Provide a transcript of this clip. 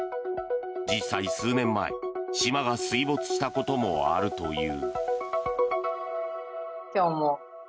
実際、数年前島が水没したこともあるという。